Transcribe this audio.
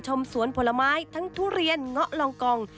สวนผลไม้ทั้งทุเรียนเงาะลองกอง